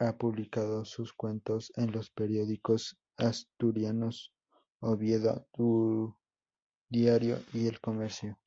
Ha publicado sus cuentos en los periódicos asturianos "Oviedo Diario" y "El Comercio".